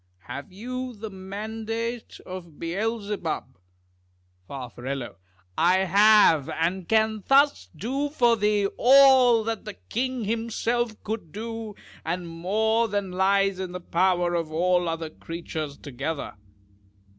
Have you the mandate of Beelzebub ? Far. I have; and can thus do for thee all that the king himself could do, and more than lies in the power of all other creatures together.